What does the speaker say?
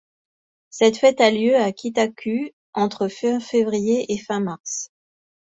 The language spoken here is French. Cette fête a lieu à Kita-ku entre fin février et fin mars.